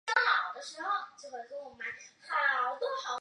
他拥有一部奔驰并从事古董汽车出租的生意。